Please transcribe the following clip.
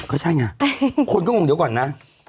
ก็ใช่ไงเดี๋ยวก่อนนะ